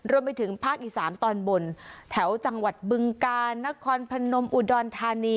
รวมไปถึงภาคอีสานตอนบนแถวจังหวัดบึงกา